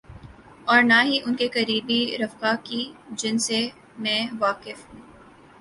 اورنہ ہی ان کے قریبی رفقا کی، جن سے میں واقف ہوں۔